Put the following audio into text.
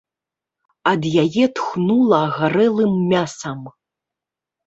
Ад яе тхнула гарэлым мясам.